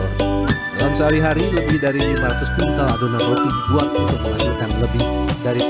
dalam sehari hari lebih dari lima ratus kintal adonan roti dibuat untuk menghasilkan lebih dari